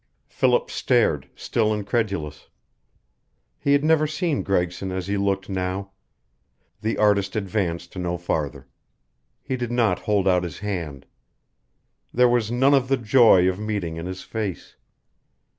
Philip stared, still incredulous. He had never seen Gregson as he looked now. The artist advanced no farther. He did not hold out his hand. There was none of the joy of meeting in his face.